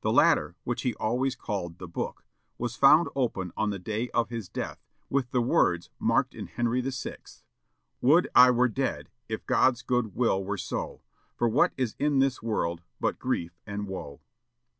The latter, which he always called THE BOOK, was found open on the day of his death, with the words marked in Henry VI: "Would I were dead! if God's good will were so; For what is in this world but grief and woe?"